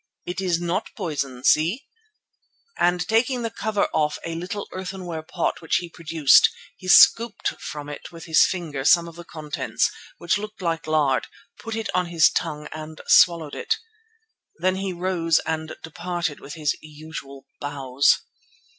It is not poison, see," and taking the cover off a little earthenware pot which he produced he scooped from it with his finger some of the contents, which looked like lard, put it on his tongue and swallowed it. Then he rose and departed with his usual bows.